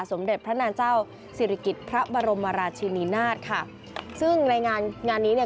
สมเด็จพระนางเจ้าศิริกิจพระบรมราชินีนาฏค่ะซึ่งในงานงานนี้เนี่ย